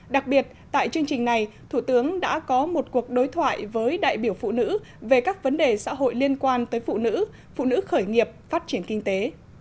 đặc biệt tại chương trình này thủ tướng đã có một cuộc đối thoại với đại biểu phụ nữ về các vấn đề xã hội liên quan tới phụ nữ phụ nữ khởi nghiệp phát triển kinh tế